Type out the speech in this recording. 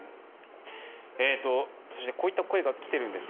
そして、こういった声がきてるんです。